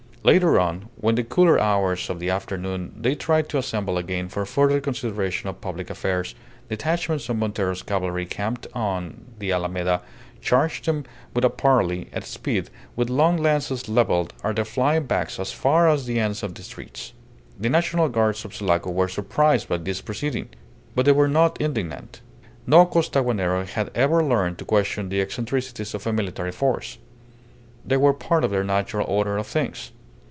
Later on, when, in the cooler hours of the afternoon, they tried to assemble again for further consideration of public affairs, detachments of Montero's cavalry camped on the Alameda charged them without parley, at speed, with long lances levelled at their flying backs as far as the ends of the streets. The National Guards of Sulaco were surprised by this proceeding. But they were not indignant. No Costaguanero had ever learned to question the eccentricities of a military force. They were part of the natural order of things.